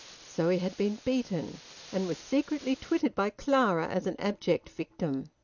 So he had been beaten, and was secretly twitted by Clara as an abject victim.